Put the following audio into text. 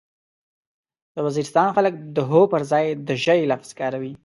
د وزيرستان خلک د هو پرځای د ژې لفظ کاروي.